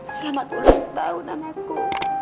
selamat ulang tahun anakku